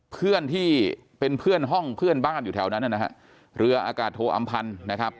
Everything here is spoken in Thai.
เพื่อนที่เป็นเพื่อนห้องเพื่อนบ้านอยู่แถวนั้นนะฮะเรืออากาศโทอำพันธ์นะครับ